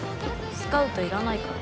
スカウトいらないから。